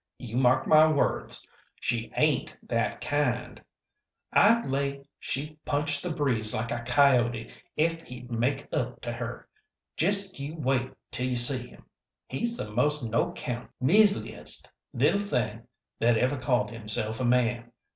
You mark my words, she ain't that kind. I'd lay she'd punch the breeze like a coyote ef he'd make up to her. Just you wait till you see him. He's the most no 'count, measleyest little thing that ever called himself a man.